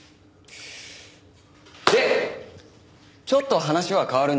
でちょっと話は変わるんですけど。